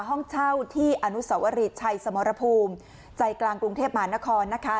ห้องเช่าที่อนุสวรีชัยสมรภูมิใจกลางกรุงเทพมหานครนะคะ